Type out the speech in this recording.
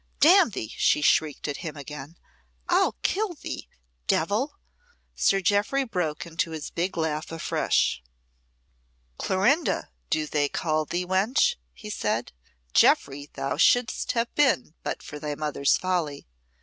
"Damn thee!" she shrieked at him again. "I'll kill thee, devil!" Sir Jeoffry broke into his big laugh afresh. "Clorinda do they call thee, wench?" he said. "Jeoffry thou shouldst have been but for thy mother's folly.